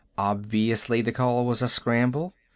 Obviously the call was a scramble.